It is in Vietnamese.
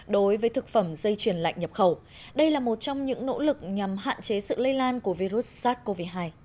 dây chuyền lạnh nhập khẩu đây là một trong những nỗ lực nhằm hạn chế sự lây lan của virus sars cov hai